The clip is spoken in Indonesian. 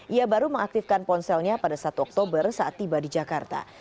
ia baru mengaktifkan ponselnya pada satu oktober saat tiba di jakarta